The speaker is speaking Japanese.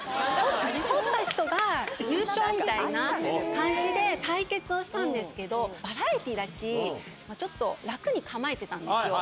取った人が優勝みたいな感じで対決をしたんですけど、バラエティーだし、ちょっと楽に構えてたんですよ。